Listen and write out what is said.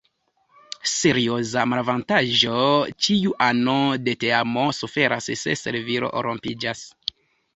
Serioza malavantaĝo: ĉiu ano de teamo suferas se servilo rompiĝas.